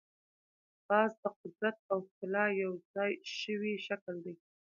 باز د قدرت او ښکلا یو ځای شوی شکل دی